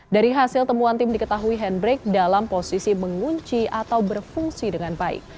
dari hasil temuan tim diketahui handbrake dalam posisi mengunci atau berfungsi dengan baik